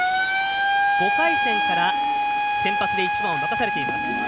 ５回戦から先発で１番を任されています。